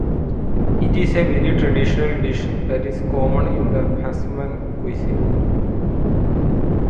It is a very traditional dish that is common in the husman cuisine.